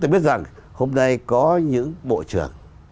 tôi biết rằng hôm nay có những bộ trưởng